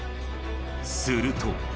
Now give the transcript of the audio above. すると。